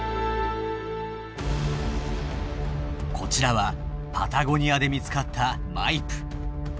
こちらはパタゴニアで見つかったマイプ。